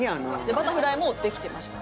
バタフライもできてました。